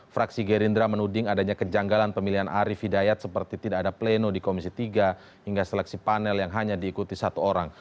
fraksi gerindra menuding adanya kejanggalan pemilihan arief hidayat seperti tidak ada pleno di komisi tiga hingga seleksi panel yang hanya diikuti satu orang